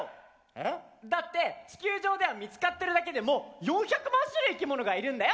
えっ？だって地球上では見つかってるだけでも４００万種類いきものがいるんだよ。